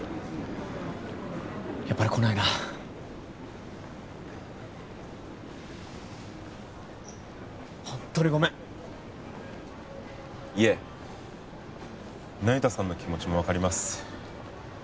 やっぱり来ないなホントにごめんいえ那由他さんの気持ちも分かります